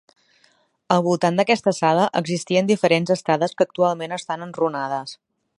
Al voltant d'aquesta sala existien diferents estades que actualment estan enrunades.